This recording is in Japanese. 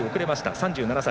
３７歳。